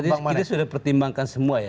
artinya kita sudah pertimbangkan semua ya